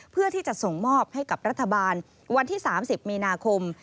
เพื่อที่จะส่งมอบให้กับรัฐบาลวันที่๓๐มีนาคม